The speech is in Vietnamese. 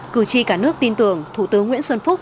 cử tri cả nước tin tưởng thủ tướng nguyễn xuân phúc